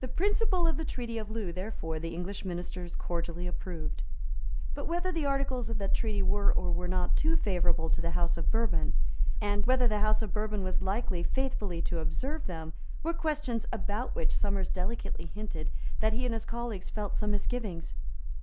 The principle of the Treaty of Loo, therefore, the English Ministers cordially approved. But whether the articles of that treaty were or were not too favourable to the House of Bourbon, and whether the House of Bourbon was likely faithfully to observe them, were questions about which Somers delicately hinted that he and his colleagues felt some misgivings.